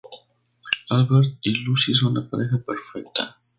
Albert y Lucy son la pareja perfecta.